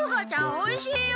おいしいよ。